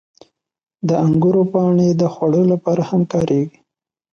• د انګورو پاڼې د خوړو لپاره هم کارېږي.